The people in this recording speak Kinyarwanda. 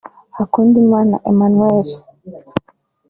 Hakundimana Emmanuel